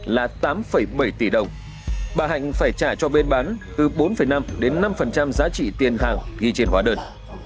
là tám bảy tỷ đồng bà hạnh phải trả cho bên bán từ bốn năm đến năm giá trị tiền hàng ghi trên hóa đơn